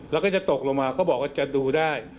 แล้วก็จะตกลงมาเขาบอกว่าจะดูได้